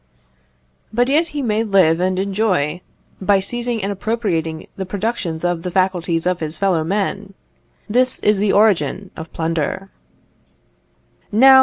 But yet he may live and enjoy, by seizing and appropriating the productions of the faculties of his fellow men. This is the origin of plunder.